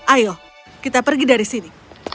ayo kita pergi dari sini